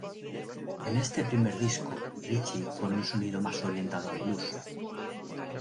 En este primer disco Richie con un sonido más orientado al blues.